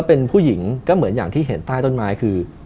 เป็นผู้หญิงก็เหมือนอย่างที่เห็นใต้ต้นไม้คือ